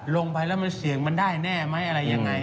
ลงไปแล้วมันเสี่ยงมันได้แน่ไหมอะไรยังไง